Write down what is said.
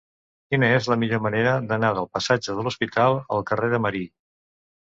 Quina és la millor manera d'anar del passatge de l'Hospital al carrer de Marí?